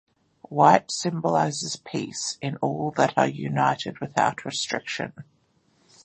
White symbolises peace, in that all are united without restriction.